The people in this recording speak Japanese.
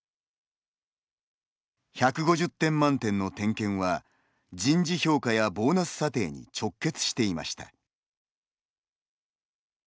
１５０点満点の点検は人事評価やボーナス査定に直結していました。